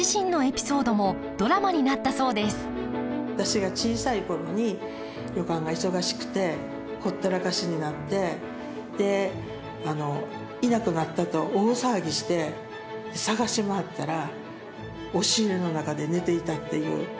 私が小さい頃に旅館が忙しくてほったらかしになってでいなくなったと大騒ぎして捜し回ったら押し入れの中で寝ていたっていう。